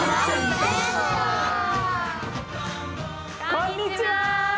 こんにちは！